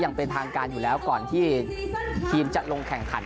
อย่างเป็นทางการอยู่แล้วก่อนที่ทีมจะลงแข่งขัน